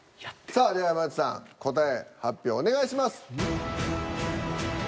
さあでは山内さん答え発表お願いします。